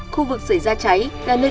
khu vực rời ra cháy là nơi